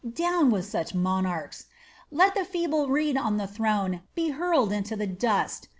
Down with such monarchs! Let the feeble reed on the throne be hurled into the dust!